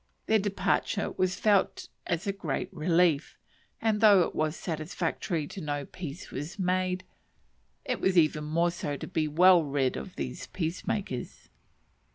Their departure was felt as a great relief; and though it was satisfactory to know peace was made, it was even more so to be well rid of the peacemakers.